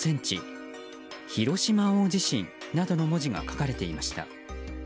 「広島大地震」などの文字が書かれていました。